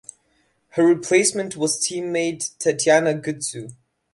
Her replacement was teammate Tatiana Gutsu.